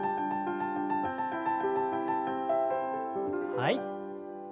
はい。